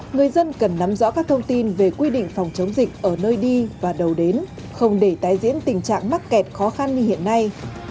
người dân cần nắm rõ các thông tin về quy định phòng chống dịch ở nơi đi và đầu đến không để tái diễn tình trạng mắc kẹt khó khăn như hiện nay